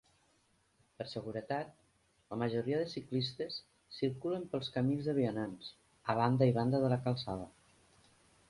Per seguretat, la majoria de ciclistes circulen pels camins de vianants, a banda i banda de la calçada.